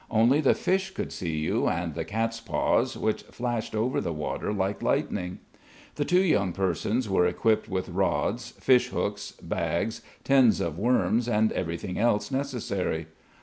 Only the fish could see you and the catspaws which flashed over the water like lightning. The two young persons were equipped with rods, fish hooks, bags, tins of worms and everything else necessary.